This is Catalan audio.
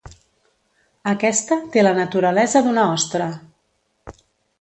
Aquesta té la naturalesa d'una ostra.